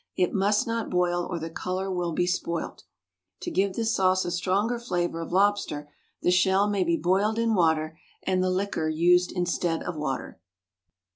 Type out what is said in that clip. It must not boil or the colour will be spoilt. To give this sauce a stronger flavour of lobster, the shell may be boiled in water, and the liquor used instead of water.